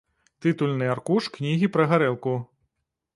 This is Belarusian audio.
Тытульны аркуш кнігі пра гарэлку.